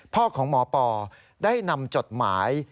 พ่อของหมอปอได้นำจดหมาย